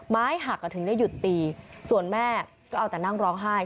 ไม้หักถึงได้หยุดตีส่วนแม่ก็เอาแต่นั่งร้องไห้